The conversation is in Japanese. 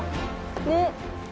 ねっ。